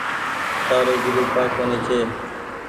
تآرو گورو ڪآ ڪونيٚ ڇي۔